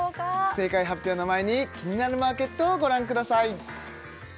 正解発表の前に「キニナルマーケット」をご覧ください